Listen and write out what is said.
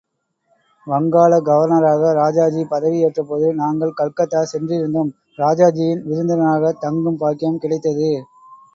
வங்காள கவர்னராக ராஜாஜி ் பதவி ஏற்றபோது நாங்கள் கல்கத்தா சென்றிருந்தோம்.ராஜாஜியின் விருந்தினராகத் தங்கும் பாக்கியம் கிடைத்தது.